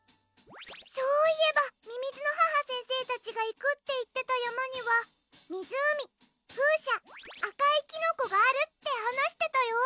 そういえばみみずの母先生たちがいくっていってたやまにはみずうみふうしゃあかいキノコがあるってはなしてたよ。